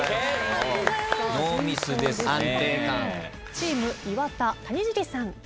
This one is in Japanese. チーム岩田谷尻さん。